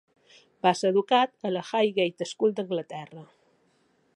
Va ser educat a la Highgate School d"Anglaterra.